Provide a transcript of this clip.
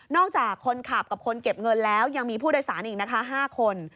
จากคนขับกับคนเก็บเงินแล้วยังมีผู้โดยสารอีกนะคะ๕คน